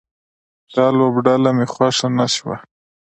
دا لوبډله مې خوښه نه شوه